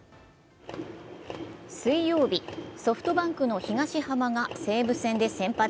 水曜日、ソフトバンクの東浜が西武戦で先発。